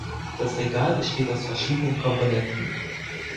Das Regal besteht aus verschiedenen Komponenten.